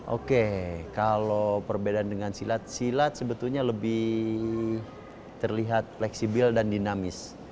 oke kalau perbedaan dengan silat silat sebetulnya lebih terlihat fleksibel dan dinamis